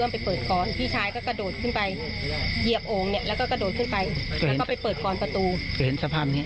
พี่ชายเหยียบโอ่งแล้วก็กระโดดขึ้นไป